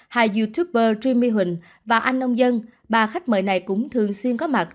hai youtuber jimmy huỳnh và anh ông dân bà khách mời này cũng thường xuyên có mặt